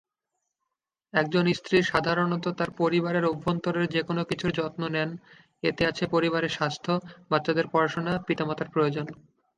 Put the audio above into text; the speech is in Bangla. একজন স্ত্রী সাধারণত তার পরিবারের অভ্যন্তরের যেকোনো কিছুর যত্ন নেন, এতে আছে পরিবারের স্বাস্থ্য, বাচ্চাদের পড়াশোনা, পিতামাতার প্রয়োজন।